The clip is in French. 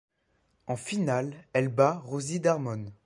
En finale, elle bat Rosie Darmon.